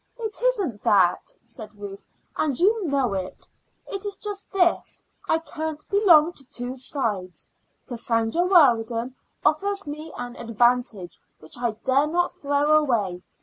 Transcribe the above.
"It isn't that," said Ruth, "and you know it. It is just this: I can't belong to two sides. Cassandra Weldon offers me an advantage which I dare not throw away.